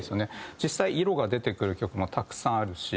実際色が出てくる曲もたくさんあるし。